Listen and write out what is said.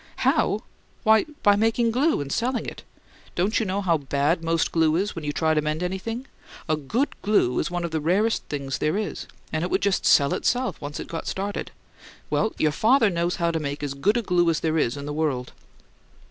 "How? Why, by making glue and selling it. Don't you know how bad most glue is when you try to mend anything? A good glue is one of the rarest things there is; and it would just sell itself, once it got started. Well, your father knows how to make as good a glue as there is in the world."